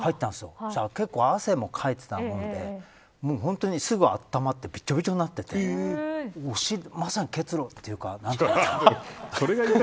そしたら結構汗もかいてたので本当にすぐあったまってびちょびちょになっててまさに結露というか。